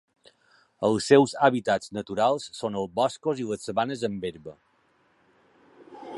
Els seus hàbitats naturals són els boscos i les sabanes amb herba.